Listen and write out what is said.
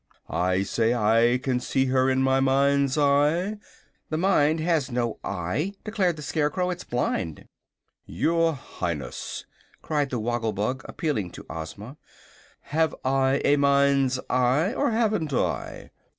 "I say I can see her in my mind's eye " "The mind has no eye," declared the Scarecrow. "It's blind." "Your Highness," cried the Woggle Bug, appealing to Ozma, "have I a mind's eye, or haven't I?"